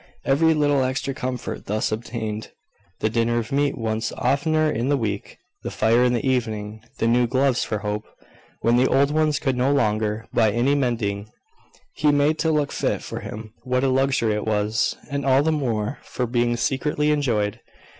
Every little extra comfort thus obtained, the dinner of meat once oftener in the week, the fire in the evening, the new gloves for Hope, when the old ones could no longer, by any mending, be made to look fit for him, what a luxury it was! And all the more for being secretly enjoyed.